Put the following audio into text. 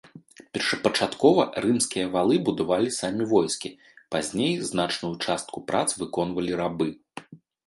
Першапачаткова рымскія валы будавалі самі войскі, пазней значную частку прац выконвалі рабы.